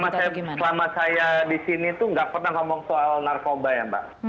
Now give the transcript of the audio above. selama saya di sini tuh nggak pernah ngomong soal narkoba ya mbak